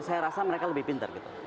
saya rasa mereka lebih pintar gitu